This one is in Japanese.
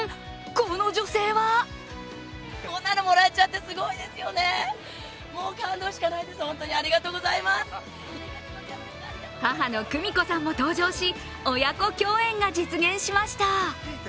この女性は母の久美子さんも登場し親子共演が実現しました。